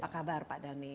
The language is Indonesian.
pak kabar pak dhani